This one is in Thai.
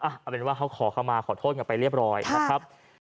เอาเป็นว่าเขาขอเข้ามาขอโทษกันไปเรียบร้อยนะครับ